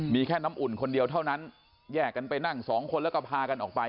มีแค่น้ำอุ่นคนเดียวเท่านั้นแยกกันไปนั่งสองคนแล้วก็พากันออกไป